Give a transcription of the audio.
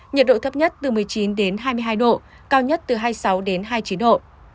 nhiệt độ thấp nhất từ một mươi chín đến hai mươi hai độ cao nhất từ hai mươi sáu đến hai mươi chín độ